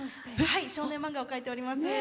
はい少年漫画を描いております。